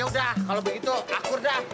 udah kalau begitu aku udah